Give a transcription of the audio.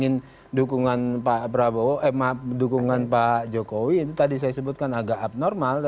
tidak pede misalnya atau tidak ingin dukungan pak jokowi itu tadi saya sebutkan agak abnormal